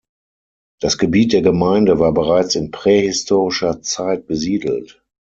Das Gebiet der Gemeinde war bereits in prähistorischer Zeit besiedelt.